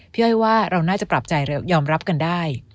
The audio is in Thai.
พี่อ้อยว่าเราน่าจะปรับใจยอมรับกันได้